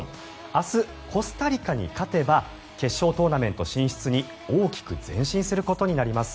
明日、コスタリカに勝てば決勝トーナメント進出に大きく前進することになります。